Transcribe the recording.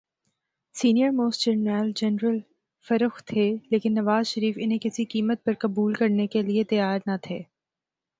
Senior most جرنیل general Farrukh تھے‘ لیکن نواز شریف انہیں کسی قیمت پر قبول کرنے کیلئے تیار نہ تھے۔